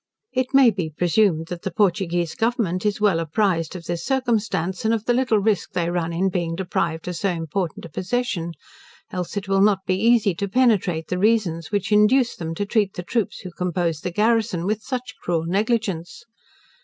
It may be presumed that the Portuguese Government is well apprized of this circumstance and of the little risque they run in being deprived of so important a possession, else it will not be easy to penetrate the reasons which induce them to treat the troops who compose the garrison with such cruel negligence.